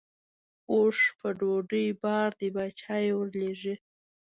اوښ په ډوډۍ بار دی باچا یې ورلېږي.